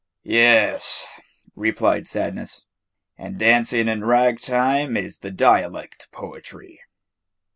"Yes," replied Sadness, "and dancing in rag time is the dialect poetry."